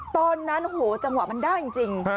ตอนนั้นโหจังหวะมันได้จริง